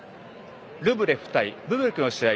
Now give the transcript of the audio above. ルブレフ対ブブリックの試合